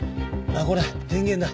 これは電源だ。